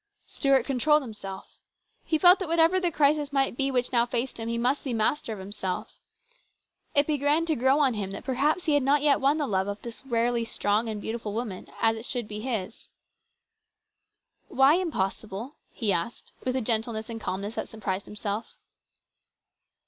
Stuart controlled himself. He felt that whatever the crisis might be which now faced him, he must be master of himself. It began to grow upon him that perhaps he had not yet won the love of this rarely strong and beautiful woman, as it should be his. " Why impossible ?" he asked with a gentleness and calmness that surprised himself.